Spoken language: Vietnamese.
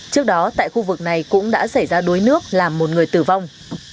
trước đó tại khu vực này cũng đã xảy ra đuối nước làm một người tử vong